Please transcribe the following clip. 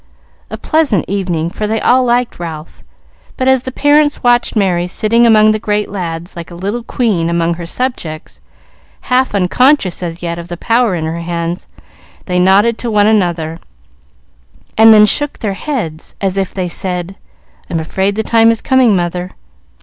A pleasant evening, for they all liked Ralph, but as the parents watched Merry sitting among the great lads like a little queen among her subjects, half unconscious as yet of the power in her hands, they nodded to one another, and then shook their heads as if they said, "I'm afraid the time is coming, mother."